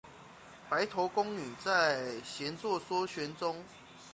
白头宫女在，闲坐说玄宗。